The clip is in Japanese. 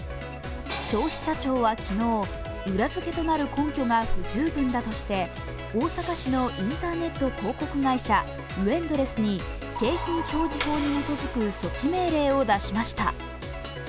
消費者庁は昨日、裏付けとなる根拠が不十分だとして大阪市のインターネット広告会社Ｗ−ＥＮＤＬＥＳＳに景品表示法に基づく措置命令を出しました。